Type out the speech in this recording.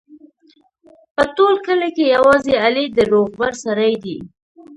په ټول کلي کې یوازې علي د روغبړ سړی دی.